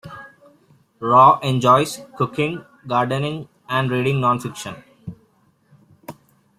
Rau enjoys cooking, gardening and reading non-fiction.